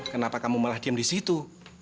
kenapa kamu malah diam di situ